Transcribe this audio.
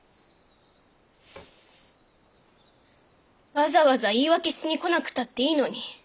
わざわざ言い訳しに来なくたっていいのに。